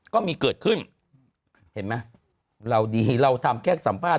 ก็มีเกิดขึ้นเห็นไหมเราดีเราทำแค่สัมภาษ